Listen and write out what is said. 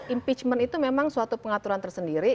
impeachment itu memang suatu pengaturan tersendiri